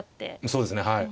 そうですねはい。